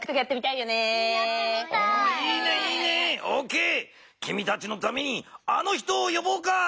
きみたちのためにあの人をよぼうか。